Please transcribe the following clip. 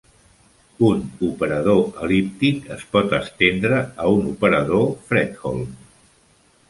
Un operador el·líptic es pot estendre a un operador Fredholm.